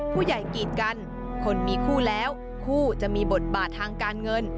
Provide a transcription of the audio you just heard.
ผู้ใหญ่กีดกันคนมีคู่แล้วคู่จะมีบทบาททางการเงิน